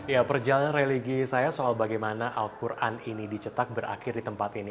ya perjalanan religi saya soal bagaimana al quran ini dicetak berakhir di tempat ini